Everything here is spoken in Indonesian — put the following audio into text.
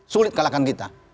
sulit kalahkan kita